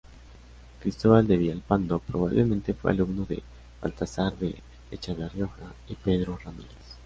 Cristóbal de Villalpando probablemente fue alumno de Baltasar de Echave Rioja y Pedro Ramírez.